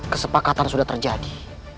kesepakatan sudah terjadi